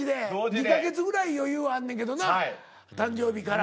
２か月ぐらい余裕あんねんけどな誕生日から。